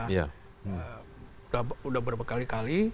sudah berapa kali kali